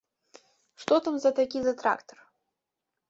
Што там за такі за трактар?